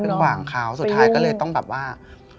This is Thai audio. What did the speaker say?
ขวางเขาสุดท้ายก็เลยต้องแบบว่า